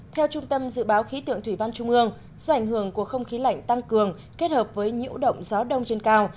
theo trung tâm dự báo khí tượng thủy văn trung ương do ảnh hưởng của không khí lạnh tăng cường kết hợp với nhiễu động gió đông trên cao